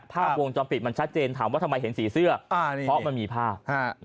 ภาพวงจรปิดมันชัดเจนถามว่าทำไมเห็นสีเสื้อเพราะมันมีภาพ